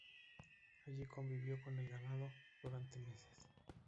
Allí convivió con el ganado durante meses.